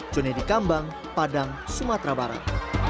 cunyadi kambang padang sumatera barat